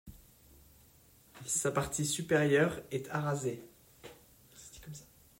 Sa partie supérieure est arasée.